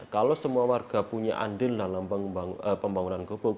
kalau semua warga punya andil dalam pembangunan gubuk